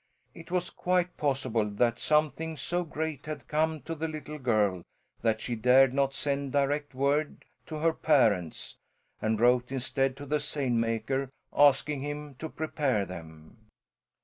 It was quite possible that something so great had come to the little girl that she dared not send direct word to her parents, and wrote instead to the seine maker, asking him to prepare them.